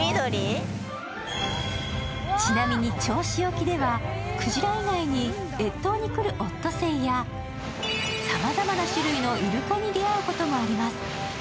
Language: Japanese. ちなみに銚子沖では、くじら以外に越冬に来るオットセイやさまざまな種類のイルカに出会うことができます。